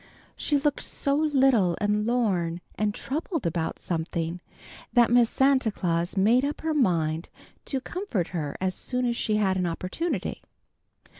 She looked so little and lorn and troubled about something, that Miss Santa Claus made up her mind to comfort her as soon as she had an opportunity.